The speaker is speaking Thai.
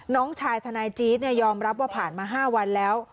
น้องชายทนายจี๊ดยอมรับว่าผ่านมา๕วันแล้ว